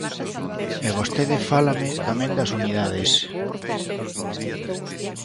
E vostede fálame tamén das unidades.